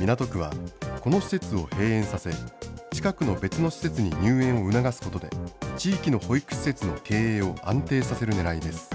港区はこの施設を閉園させ、近くの別の施設に入園を促すことで、地域の保育施設の経営を安定させるねらいです。